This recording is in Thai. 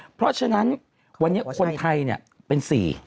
เพราะฉะนั้นวันนี้คนไทยเป็น๔